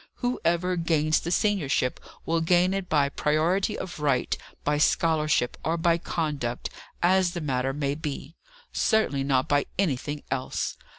Whoever gains the seniorship will gain it by priority of right, by scholarship, or by conduct as the matter may be. Certainly not by anything else.